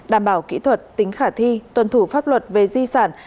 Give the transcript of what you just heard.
đảm bảo kỹ thuật tính khả thi tuân thủ pháp luật về di sản